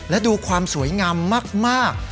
และดูความสวยงามมาก